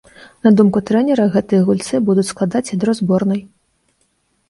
На думку трэнера, гэтыя гульцы будуць складаць ядро зборнай.